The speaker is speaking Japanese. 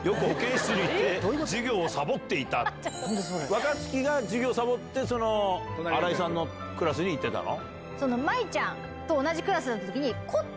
若槻が授業サボって新井さんのクラスに行ってたの？